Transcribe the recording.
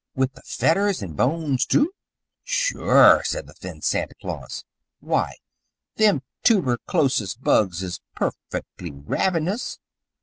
"With the fedders and the bones, too?" "Sure," said the thin Santa Claus. "Why, them toober chlosis bugs is perfectly ravenous.